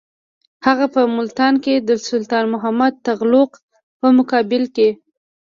هغه په ملتان کې د سلطان محمد تغلق په مقابل کې.